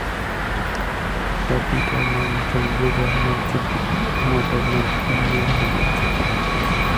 তার পিতার নাম হাবিবুর রহমান সিদ্দিকী ও মাতার নাম উম্মে রহমান সিদ্দিকী।